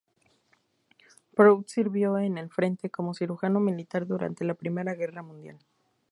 Proust sirvió en el frente como cirujano militar durante la Primera guerra mundial.